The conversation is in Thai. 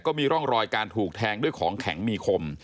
ก็มีร่องรอยการถูกแทงด้วยของแข็งมีคม